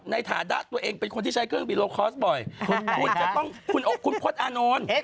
ในฐาดะตัวเองเป็นคนที่ใช้เครื่องบินโลคอร์สบ่อยคุณพลดอานนท์